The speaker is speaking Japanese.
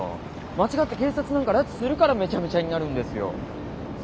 間違って警察なんか拉致するからめちゃめちゃになるんですよ。